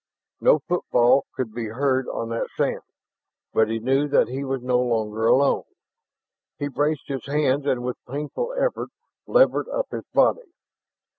No footfall could be heard on that sand. But he knew that he was no longer alone. He braced his hands and with painful effort levered up his body.